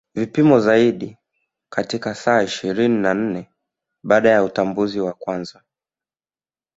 Vipimo zaidi katika saa ishirini na nne baada ya utambuzi wa kwanza